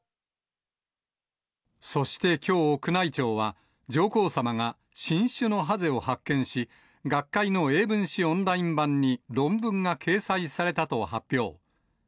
そしてきょう、宮内庁は、上皇さまが新種のハゼを発見し、学会の英文誌オンライン版に論文が掲載されたと発表。